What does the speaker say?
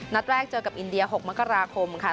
นัดแรกเจอกับอินเดีย๖มกราคมค่ะ